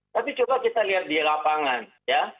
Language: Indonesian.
tapi coba kita lihat di lapangan ya